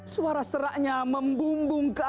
suara seraknya membumbung ke atas